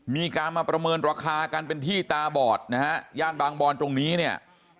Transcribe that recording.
มีการมาประเมินราคากันเป็นที่ตาบอดนะฮะย่านบางบอนตรงนี้เนี่ย